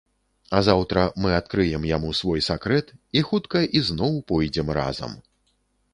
А заўтра мы адкрыем яму свой сакрэт і хутка ізноў пойдзем разам.